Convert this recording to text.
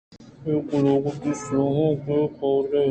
پہ گلاہگ وتی سِلاہاں کہ دئور دئے